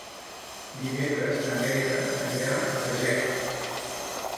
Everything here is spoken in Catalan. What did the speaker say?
Dimecres na Neida anirà a Fageca.